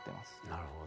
なるほど。